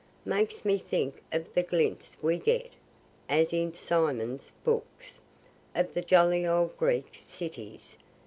Makes me think of the glints we get (as in Symonds's books) of the jolly old Greek cities.